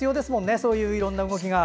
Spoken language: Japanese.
そういう、いろんな動きが。